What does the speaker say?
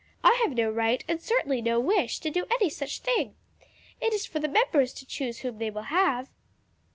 I have no right and certainly no wish to do any such thing. It is for the members to choose whom they will have."